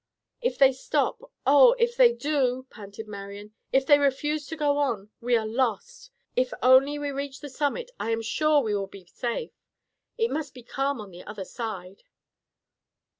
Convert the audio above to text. "If they stop; oh, if they do!" panted Marian. "If they refuse to go on we are lost! If only we reach the summit I am sure we will be safe. It must be calm on the other side."